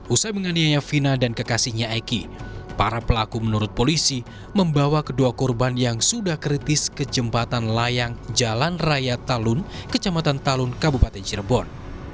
usai menganiaya vina dan kekasihnya eki para pelaku menurut polisi membawa kedua korban yang sudah kritis ke jembatan layang jalan raya talun kecamatan talun kabupaten cirebon